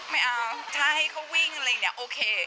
ไม่เอาถ้าให้เขาวิ่งอะไรอย่างนี้โอเค